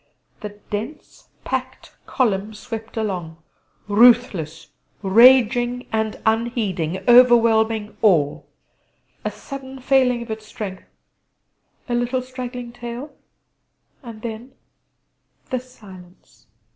The dense packed column swept along, ruthless, raging, and unheeding, overwhelming all.... A sudden failing of its strength, a little straggling tail, and then the silence!